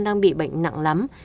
đang bị bệnh nặng lắm